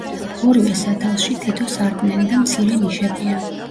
ორივე სათავსში თითო სარკმელი და მცირე ნიშებია.